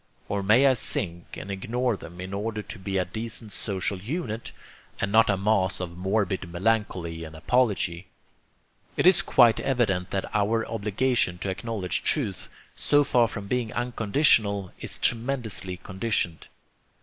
or may I sink and ignore them in order to be a decent social unit, and not a mass of morbid melancholy and apology? It is quite evident that our obligation to acknowledge truth, so far from being unconditional, is tremendously conditioned.